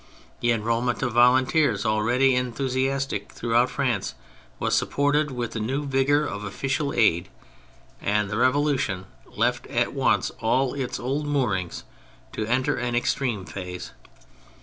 The enrolment of volunteers, already enthusiastic throughout France, was supported with the new vigour of oflicial aid; and the Revolution left at once all its old moorings to enter an extreme phase.